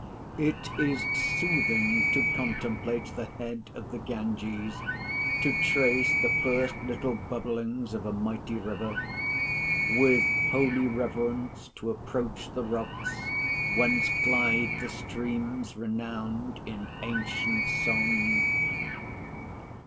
It is soothing to contemplate the head of the Ganges; to trace the first little bubblings of a mighty river; With holy reverence to approach the rocks, Whence glide the streams renowned in ancient song.